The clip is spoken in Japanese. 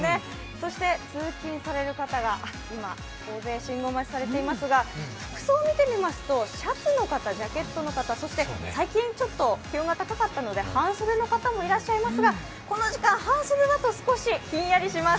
そして通勤される方が今大勢信号待ちされていますが、服装を見てみますとシャツの方、ジャケットの方、そして最近ちょっと気温が高かったので半袖の方もいらっしゃいますがこの時間、半袖だと少しひんやりします。